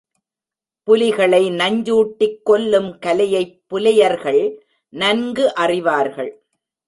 புலிகளை நஞ்சூட்டிக் கொல்லும் கலையைப் புலையர்கள் நன்கு அறிவார்கள்.